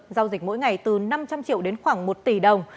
giao dịch mỗi ngày từ năm trăm linh triệu đến khoảng một tỷ đồng